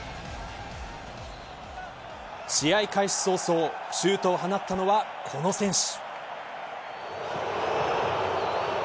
試合開始早々シュートを放ったのはこの選手。